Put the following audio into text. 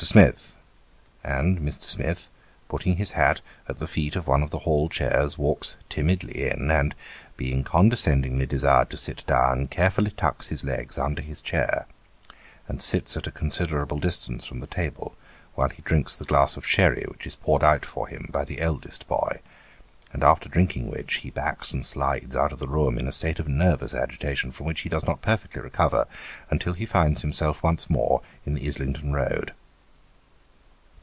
l6l Smith :" and Mr. Smith, putting his hat at the foet of one of the hall chairs, walks timidly in, and being condescendingly desired to sit down, carefully tucks his legs under his chair, and sits at a con siderable distance from the table while he drinks the glass of sherry which is poured out for him by the eldest boy, and after drinking which, he backs and slides out of the room, in a state of nervous agitation from which ho does not perfectly recover, until he finds himself once more in the Islington Road.